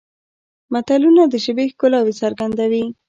متلونه د ژبې ښکلاوې څرګندوي